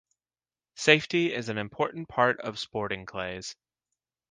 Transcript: Safety is an important part of sporting clays.